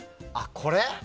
これ？